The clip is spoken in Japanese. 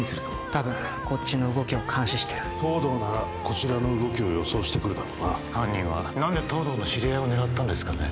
たぶんこっちの動きを監視してる東堂ならこちらの動きを予想してくるだろうな犯人は何で東堂の知り合いを狙ったんですかね